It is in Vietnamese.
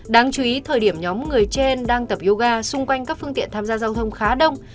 đáng chú ý thời điểm nhóm người trên đang tập yoga xung quanh các phương tiện tham gia giao thông khá đông